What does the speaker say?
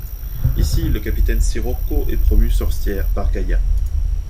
Ici, le Capitaine Cirocco est promue sorcière par Gaïa.